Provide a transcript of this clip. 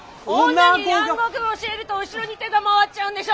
女に蘭学教えると後ろに手が回っちゃうんでしょ？